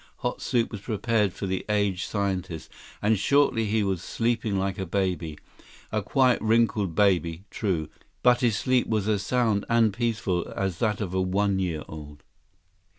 Hot soup was prepared for the aged scientist, and shortly he was sleeping like a baby, a quite wrinkled baby, true, but his sleep was as sound and peaceful as that of a one year old.